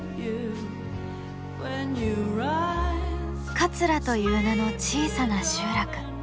桂という名の小さな集落。